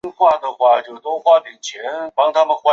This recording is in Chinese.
马上去旁边买马油